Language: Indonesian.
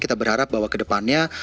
kita berharap bahwa kedepannya